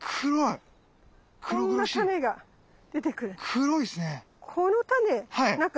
黒いっすね。